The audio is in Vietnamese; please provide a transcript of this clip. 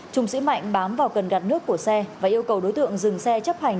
trung sĩ mạnh bám vào cần gạt nước của xe và yêu cầu đối tượng dừng xe chấp hành